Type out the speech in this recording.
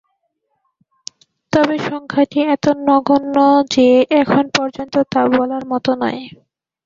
তবে সংখ্যাটি এত নগণ্য যে এখন পর্যন্ত তা বলার মতো নয়।